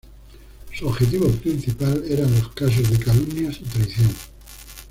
Su objetivo principal eran los casos de calumnias y traición.